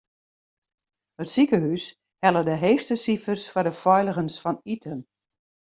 It sikehús helle de heechste sifers foar de feiligens fan iten.